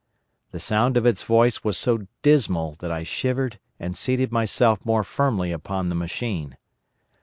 The sound of its voice was so dismal that I shivered and seated myself more firmly upon the machine.